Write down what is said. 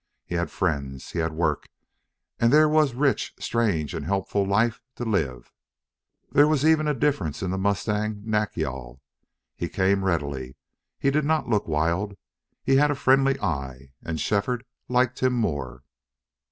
He had friends; he had work; and there was rich, strange, and helpful life to live. There was even a difference in the mustang Nack yal. He came readily; he did not look wild; he had a friendly eye; and Shefford liked him more.